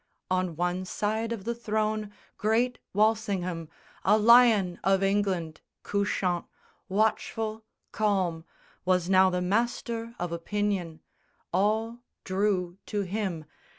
On one side of the throne great Walsingham, A lion of England, couchant, watchful, calm, Was now the master of opinion: all Drew to him.